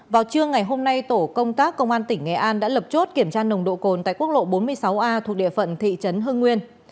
vào trưa ngày hôm nay tổ công tác công an tỉnh nghệ an đã lập chốt kiểm tra nồng độ cồn tại quốc lộ bốn mươi sáu a thuộc địa phận thị trấn hưng nguyên